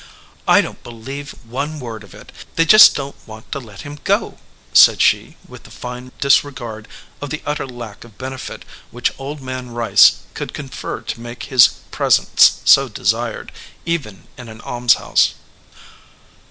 "I don t believe one word of it. They just don t want to let him go," said she, with fine disregard of the utter lack of benefit which Old Man Rice could confer to make his presence so desired, even in an almshouse.